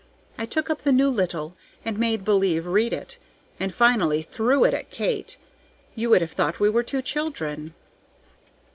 I took up the new Littell and made believe read it, and finally threw it at Kate; you would have thought we were two children.